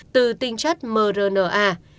từ tinh chất mở ra cho các đơn vị